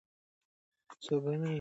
څوک د کورنۍ په اقتصاد کې مرسته کوي؟